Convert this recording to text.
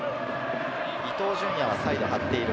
伊東純也がサイド張っている。